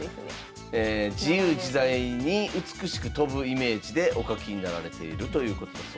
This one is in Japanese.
自由自在に美しく飛ぶイメージでお書きになられているということだそうです。